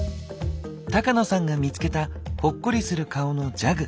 高野さんが見つけたほっこりする顔のジャグ。